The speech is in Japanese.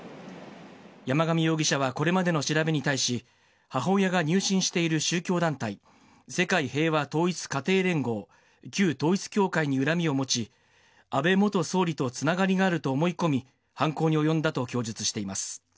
山上容疑者はこれまでの調べに対し、母親が入信している宗教団体、世界平和統一家庭連合・旧統一教会に恨みを持ち、安倍元総理とつながりがあると思い込み、犯行に及んだと供述しています。